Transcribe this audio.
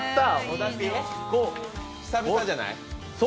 久々じゃない？